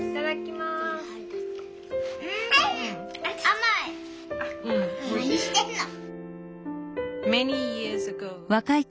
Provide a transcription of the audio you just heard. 甘い！